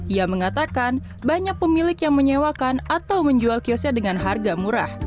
ia mengatakan banyak pemilik yang menyewakan atau menjual kiosnya dengan harga murah